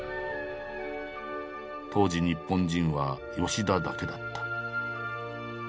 当時日本人は吉田だけだった。